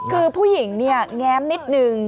คือผู้หญิงเนี่ยแง้มนิดนึง